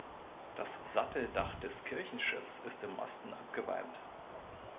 Das Satteldach des Kirchenschiffs ist im Osten abgewalmt.